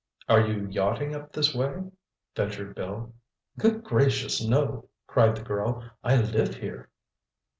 "Are you yachting up this way?" ventured Bill. "Good gracious, no!" cried the girl. "I live here."